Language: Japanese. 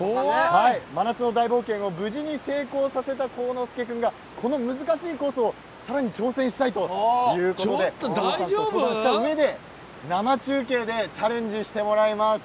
真夏の大冒険を無事に成功させた幸之介君がこの難しいコースをさらに挑戦したいということでお父さんと相談したうえで生中継でチャレンジしてもらいます。